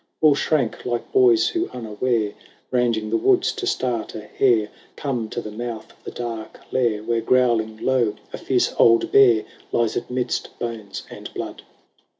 All shrank, like boys who unaware, Ranging the woods to start a hare. Come to the mouth of the dark lair Where, growling low, a fierce old bear Lies amidst bones and blood.